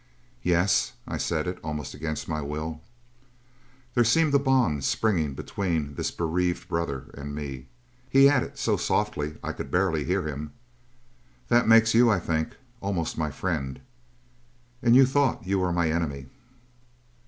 "Yes." I said it almost against my will. There seemed a bond springing between this bereaved brother and me. He added, so softly I could barely hear him: "That makes you, I think, almost my friend. And you thought you were my enemy."